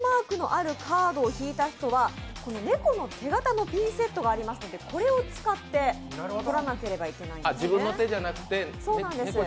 猫の手マークのあるカードを引いた人はこのネコの手型のピンセットがありますので、それを使って取らなければいけないんですね。